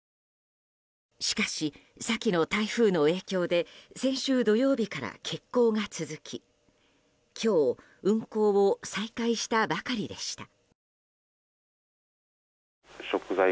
しかし、先の台風の影響で先週土曜日から欠航が続き、今日運航を再開したばかりでした。